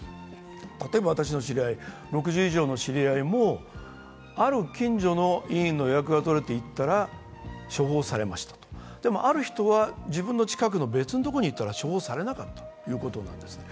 例えば、私の６０以上の知り合いもある近所の医院の予約がとれて行ったら処方されました、でも、ある人は自分の近くの別の所に行ったら処方されなかったということなんですね。